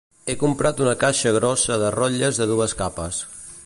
He comprat una caixa grossa de rotlles de dues capes.